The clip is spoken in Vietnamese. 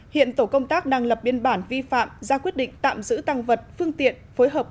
hiện tổ công tác đang lập biên bản vi phạm ra quyết định tạm giữ tăng vật phương tiện phối hợp